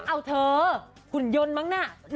เอาเถอบุญย้อนมั้งนั่น